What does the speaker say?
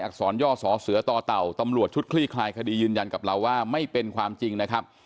สอนย่อสอเสือต่อเต่าตำรวจชุดคลี่คลายคดียืนยันกับเราว่าไม่เป็นความจริงนะครับ